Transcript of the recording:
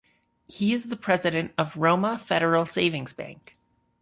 He is the President of Roma Federal Savings Bank.